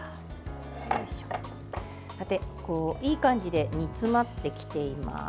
いい感じで煮詰まってきています。